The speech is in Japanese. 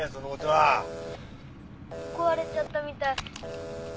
壊れちゃったみたい。